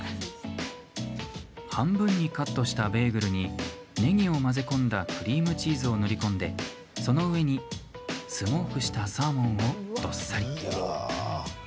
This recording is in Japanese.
半分にカットしたベーグルにねぎを混ぜ込んだクリームチーズを塗り込んでその上にスモークしたサーモンをどっさり。